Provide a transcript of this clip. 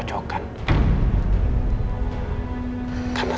itu udah berjadil